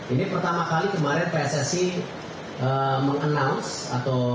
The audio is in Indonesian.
ini pertama kali kemarin pssi meng announce atau